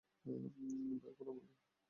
বের করো আমাকে!